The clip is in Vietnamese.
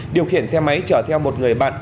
điều khiển xe máy chở theo một người bạn